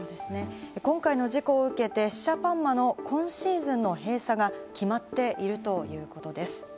今回の事故を受けて、シシャパンマの今シーズンの閉鎖が決まっているということです。